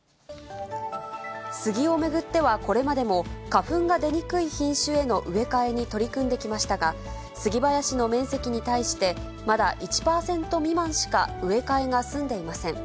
スギを巡ってはこれまでも花粉が出にくい品種への植え替えに取り組んできましたが、スギ林の面積に対して、まだ１％未満しか植え替えが済んでいません。